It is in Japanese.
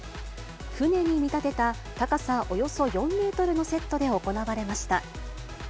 船に見立てた、高さおよそ４メートルのセットで行われました。